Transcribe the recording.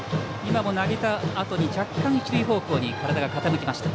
投げたあとに若干一塁方向に体が傾きました。